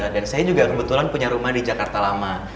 dan saya juga kebetulan punya rumah di jakarta lama